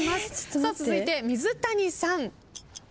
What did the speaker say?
続いて水谷さん。